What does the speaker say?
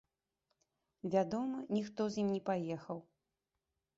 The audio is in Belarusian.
Вядома, ніхто з ім не паехаў.